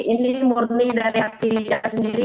ini murni dari hatinya sendiri